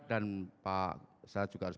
dan saya juga harus